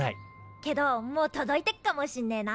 けどもう届いてっかもしんねえな。